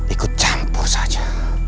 ikut campur saja